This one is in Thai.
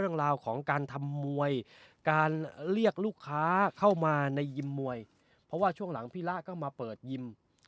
ในยิมมวยเพราะว่าช่วงหลังพี่ละก็มาเปิดยิม